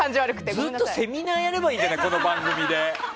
ずっとセミナーやればいいじゃないこの番組で。